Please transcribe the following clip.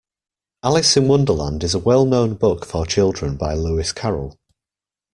Alice in Wonderland is a well-known book for children by Lewis Carroll